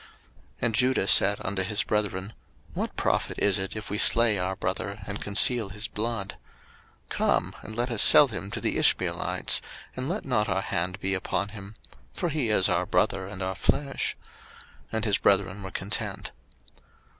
01:037:026 And Judah said unto his brethren, What profit is it if we slay our brother, and conceal his blood? 01:037:027 Come, and let us sell him to the Ishmeelites, and let not our hand be upon him; for he is our brother and our flesh. And his brethren were content.